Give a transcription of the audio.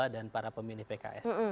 dan para pemilih pks